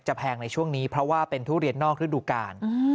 แพงในช่วงนี้เพราะว่าเป็นทุเรียนนอกฤดูกาล